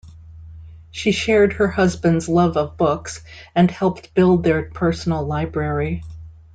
She shared her husband's love of books and helped build their personal library.